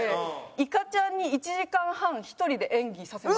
いかちゃんに１時間半一人で演技させました。